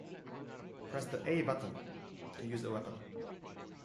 Press the A button to use a weapon.